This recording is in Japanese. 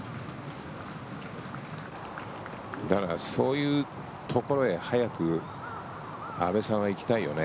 そういうところへ早く阿部さんは行きたいよね。